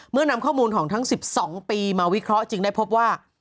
นำข้อมูลของทั้ง๑๒ปีมาวิเคราะห์จึงได้พบว่า